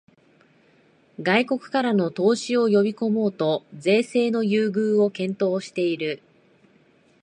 外国からの投資を呼びこもうと税制の優遇を検討している